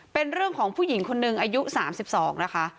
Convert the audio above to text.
เป็นเรื่องของผู้หญิงคนหนึ่งอายุ๓๒นะคะ